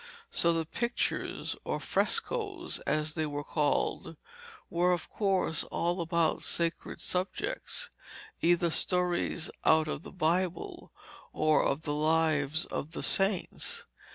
So the pictures, or frescoes, as they were called, were of course all about sacred subjects, either stories out of the Bible or of the lives of the saints.